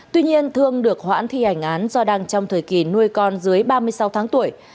tuy nhiên thương được hoãn thi hành án do đang trong thời kỳ nuôi con dưới ba mươi sáu tháng tuổi